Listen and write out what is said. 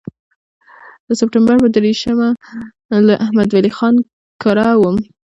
د سپټمبر پر دېرشمه له احمد ولي خان کره وم.